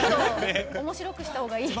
面白くした方がいい。